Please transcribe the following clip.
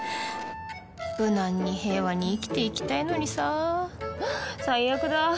無難に平和に生きて行きたいのにさ最悪だ。